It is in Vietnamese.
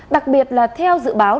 đặc biệt là theo dự báo